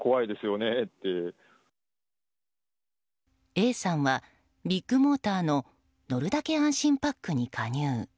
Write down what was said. Ａさんはビッグモーターの乗るだけ安心パックに加入。